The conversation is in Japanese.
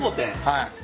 はい。